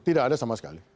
tidak ada sama sekali